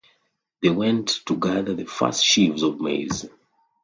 They went to gather the first sheaves of maize.